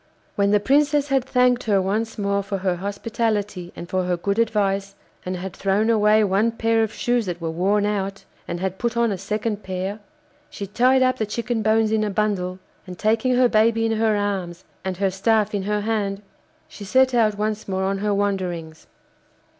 When the Princess had thanked her once more for her hospitality and for her good advice, and had thrown away one pair of shoes that were worn out, and had put on a second pair, she tied up the chicken bones in a bundle, and taking her baby in her arms and her staff in her hand, she set out once more on her wanderings.